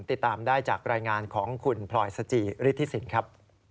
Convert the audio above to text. ติดตามได้จากรายงานของคุณพลอยสจิฤทธิสินครับ